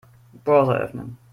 Browser öffnen.